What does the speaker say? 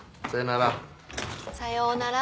さよなら。